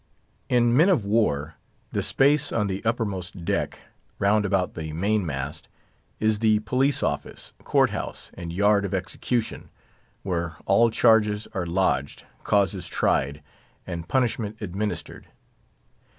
In men of war, the space on the uppermost deck, round about the main mast, is the Police office, Court house, and yard of execution, where all charges are lodged, causes tried, and punishment administered.